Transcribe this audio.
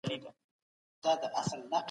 ټول انسانان په اصل کي سره برابر دي.